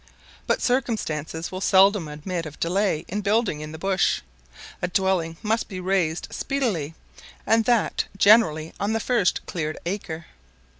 But circumstances will seldom admit of delay in building in the bush; a dwelling must be raised speedily, and that generally on the first cleared acre.